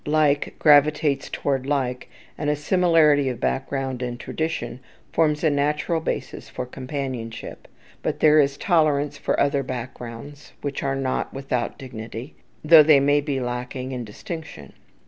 Like gravitates towards like, and a similarity of background and tradition forms a natural basis for companionship; but there is tolerance for other backgrounds which are not without dignity, though they may be lacking in distinction.